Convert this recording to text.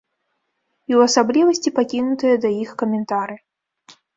І ў асаблівасці пакінутыя да іх каментары.